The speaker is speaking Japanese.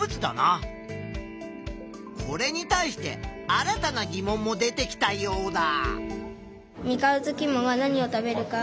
これに対して新たなぎ問も出てきたヨウダ。